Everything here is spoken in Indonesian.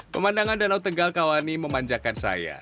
pemandangan danau tegal kawani memanjakan saya